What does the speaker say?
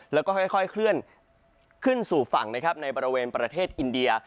แล้วก็ค่อยเคลื่อนขึ้นสู่ฝั่งนะครับในบริเวณประเทศอินเดีย